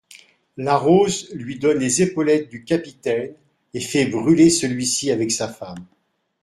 La Rose lui donne les épaulettes du capitaine et fait brûler celui-ci avec sa femme.